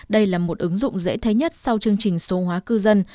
đây là một ứng dụng dễ thấy nhất sau chương trình số hóa cư dân